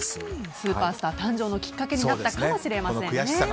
スーパースター誕生のきっかけになったかもしれません。